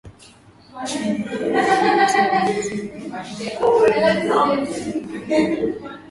mwisho unawaambiaje wananchi wenzio ambao mko kwenye maandamano sasa hivi mimi na